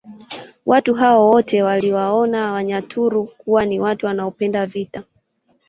Watu hao wote waliwaona Wanyaturu kuwa ni watu wanaopenda vita